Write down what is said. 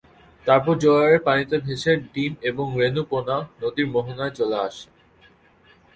তারপর জোয়ারের পানিতে ভেসে ডিম এবং রেণু পোনা নদীর মোহনায় চলে আসে।